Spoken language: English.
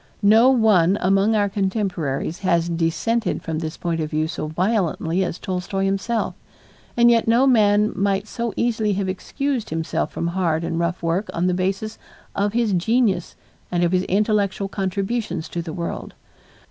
No one among our contemporaries has dissented from this point of view so violently as Tolstoy himself, and yet no man might so easily have excused himself from hard and rough work on the basis of his genius and of his intellectual contributions to the world.